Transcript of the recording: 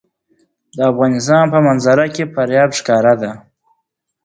د افغانستان په منظره کې فاریاب ښکاره ده.